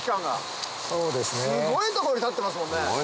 すごい所に立ってますもんね。